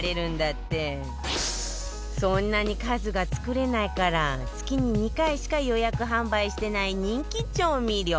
そんなに数が作れないから月に２回しか予約販売してない人気調味料